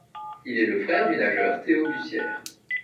Il est le frère du nageur Théo Bussière.